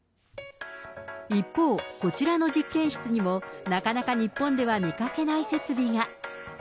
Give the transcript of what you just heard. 一方、こちらの実験室にも、なかなか日本では見かけない設備が。